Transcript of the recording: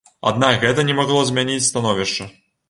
Аднак гэта не магло змяніць становішча.